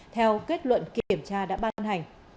theo kết luận kiểm tra đã ban hành